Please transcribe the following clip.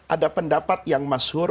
ada pendapat yang masyur